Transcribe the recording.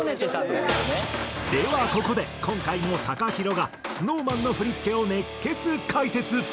ではここで今回もＴＡＫＡＨＩＲＯがＳｎｏｗＭａｎの振付を熱血解説。